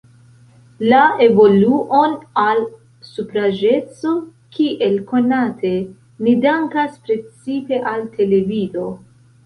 La evoluon al supraĵeco, kiel konate, ni dankas precipe al televido.